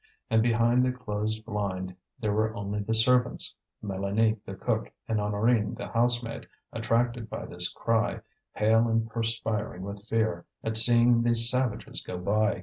And behind the closed blind there were only the servants. Mélanie the cook and Honorine the housemaid, attracted by this cry, pale and perspiring with fear at seeing these savages go by.